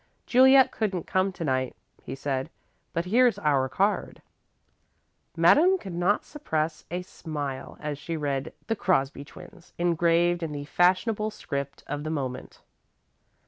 "Juliet couldn't come to night," he said, "but here's our card." Madame could not repress a smile as she read "The Crosby Twins" engraved in the fashionable script of the moment.